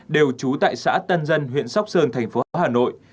đều trú tại xã tân dân huyện sóc sơn tp hà nội